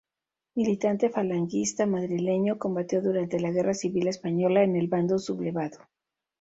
Militante falangista madrileño, combatió durante la Guerra Civil Española en el bando sublevado.